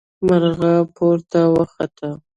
مرغۍ پورته وخته.